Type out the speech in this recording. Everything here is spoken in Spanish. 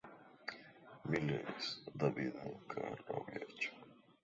Miles Davis nunca lo habría hecho.